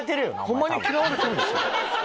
ホンマに嫌われてるんですよ。